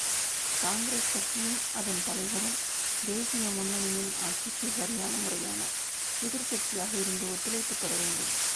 காங்கிரஸ் கட்சியும், அதன் தலைவரும் தேதிய முன்னணியின் ஆட்சிக்குச் சரியான முறையான எதிர்க்கட்சியாக இருந்து ஒத்துழைப்புத் தரவேண்டும்.